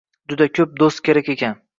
Juda koʻp doʻst kerak ekan